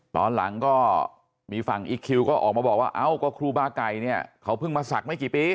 ตอนหลังก็มีฝั่งอีคคิวก็ออกมาบอกว่าเอ้าก็ครูบาไก่เนี่ยเขาเพิ่งมาสักไม่กี่ปี